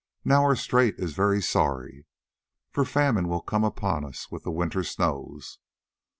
Now our strait is very sorry, for famine will come upon us with the winter snows.